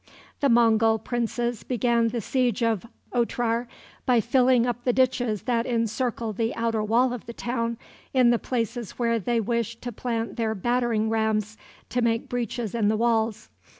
The Mongul princes began the siege of Otrar by filling up the ditches that encircled the outer wall of the town in the places where they wished to plant their battering rams to make breaches in the walls.